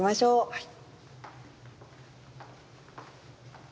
はい。